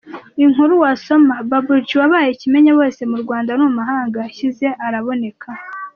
Inkuru wasoma: ’Babuji’ wabaye ikimenyabose mu Rwanda no mu mahanga yashyize araboneka.